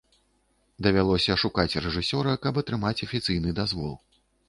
Давялося шукаць рэжысёра, каб атрымаць афіцыйны дазвол.